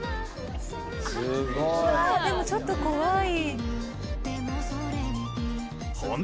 羽田：でも、ちょっと怖い。